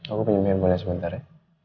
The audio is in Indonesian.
aku penyimpin boleh sebentar ya